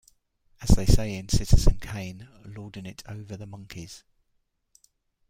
As they say in "Citizen Kane", "Lording it over the monkeys.